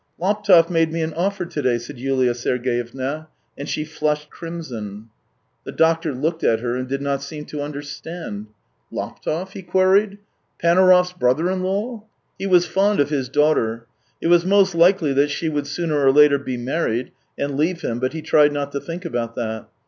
" Laptev made me an offer to day," said Yulia Sergeyevna, and she flushed crimson. The doctor looked at her and did not seem to understand. " Laptev ?" he queried. " Panaurov's brother in law ?" He was fond of his daughter; it was most likely that she would sooner or later be married, and leave him, but he tried not to think about that.